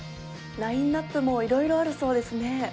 ラインアップもいろいろあるそうですね。